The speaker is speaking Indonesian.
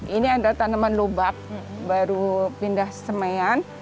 ini ada tanaman lobak baru pindah semaian